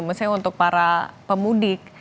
maksudnya untuk para pemudik